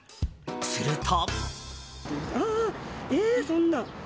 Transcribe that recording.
すると。